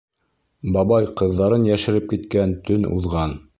Бабай ҡыҙҙарын йәшереп киткән төн уҙған.